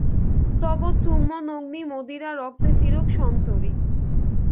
তব চুম্বন-অগ্নি-মদিরা রক্তে ফিরুক সঞ্চরি।